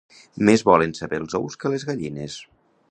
Més volen saber els ous que les gallines.